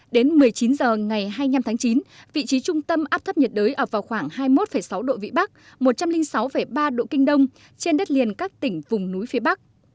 đến một mươi chín h ngày hai mươi năm tháng chín vị trí trung tâm áp thấp nhiệt đới ở vào khoảng hai mươi một sáu độ vĩ bắc một trăm linh sáu ba độ kinh đông trên đất liền các tỉnh vùng núi phía bắc